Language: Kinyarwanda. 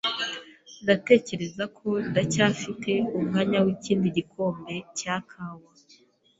Ndatekereza ko ndacyafite umwanya wikindi gikombe cya kawa.